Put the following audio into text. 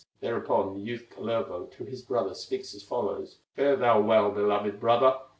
Thereupon the youth, Kullervo, To his brother speaks as follows: "Fare thou well, beloved brother!